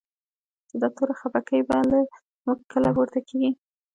چی دا توره خپکی به؛ له موږ کله پورته کیږی